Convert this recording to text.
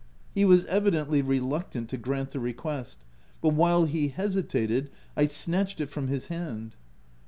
He was evidently reluctant to grant the re quest, but while he hesitated, I snatched it from his hand.